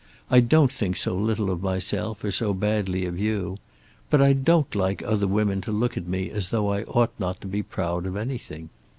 I don't think so little of myself, or so badly of you. But I don't like other women to look at me as though I ought not to be proud of anything.